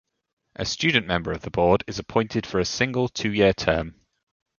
A student member of the Board is appointed for a single two-year term.